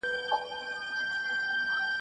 د هغه مور او پلار د امریکا د داخلي ..